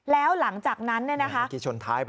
แล้วหลังจากนั้นเนี่ยนะคะ